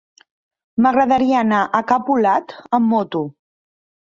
M'agradaria anar a Capolat amb moto.